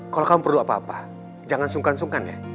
kalau kamu perlu apa apa jangan sungkan sungkan ya